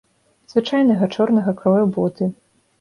Звычайнага чорнага крою боты.